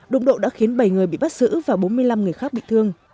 đụng độ đã khiến bảy người bị bắt giữ và bốn mươi năm người khác bị thương